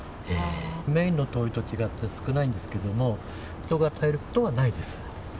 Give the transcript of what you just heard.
メインの通りと違って少ないんですけども、人が絶えることはないです。